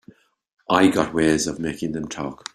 I got ways of making them talk.